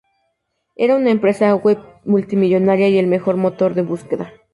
Era una empresa web multimillonaria y el mejor motor de búsqueda.